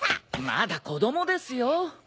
まだ子供ですよ。